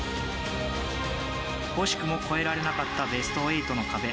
惜しくも超えられなかったベスト８の壁。